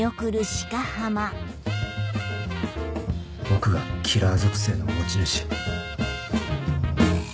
僕がキラー属性の持ち主？